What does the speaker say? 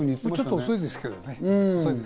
ちょっと遅いですけどね。